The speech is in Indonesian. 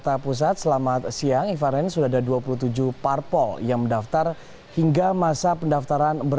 kpu sudah menerima pemeriksaan tujuh belas partai politik yang terdaftar